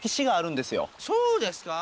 そうですか？